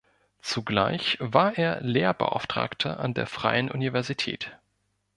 Zugleich war er Lehrbeauftragter an der Freien Universität.